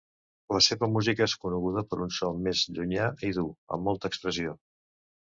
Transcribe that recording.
La seva música és coneguda per un so més llunyà i dur amb molta expressió.